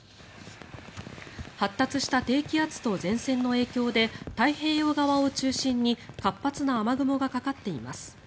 発達した低気圧と前線の影響で太平洋側を中心に活発な雨雲がかかっています。